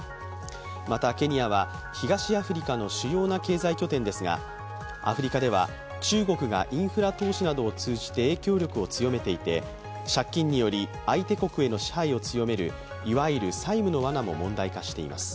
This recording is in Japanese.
また、ケニアは東アフリカの主要な経済拠点ですが、アフリカでは、中国がインフラ投資などを通じて影響力を強めていて借金により、相手国への支配を強めるいわゆる債務のわなも問題化しています。